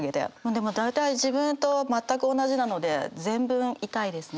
でも大体自分と全く同じなので全文痛いですね。